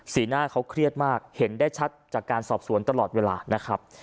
หน้าเขาเครียดมากเห็นได้ชัดจากการสอบสวนตลอดเวลานะครับ